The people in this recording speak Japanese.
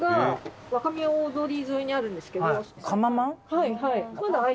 「はいはい」